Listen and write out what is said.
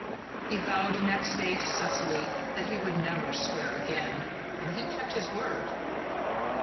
He vowed next day to Cecily that he would never swear again, and he kept his word.